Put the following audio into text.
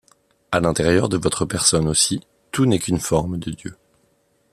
À l'intérieur de votre personne aussi, tout n'est qu'une forme de Dieu.